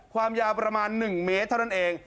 ความยาวประมาณ๑เมตรเท่านั้นเอง